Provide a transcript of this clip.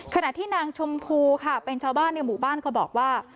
ขณะที่นางชมพูค่ะเป็นชาวบ้านในหมู่บ้านก็บอกว่า